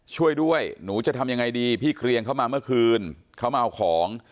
ช่วยด้วยหนูจะทำยังไงดีพี่เกรียงเข้ามาเมื่อคืนเขามาเอาของ